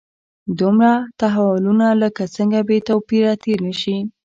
دومره تحولونو له څنګه بې توپیره تېر نه شي.